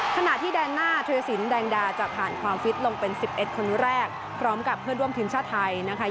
ขณะที่แดนหน้าธุรสินแดงดาจะผ่านความฟิตลงเป็น๑๑คนแรกพร้อมกับเพื่อนร่วมทีมชาติไทยนะคะ